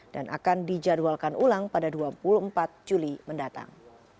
akan dijadwalkan ulang pada dua puluh empat juli mendatang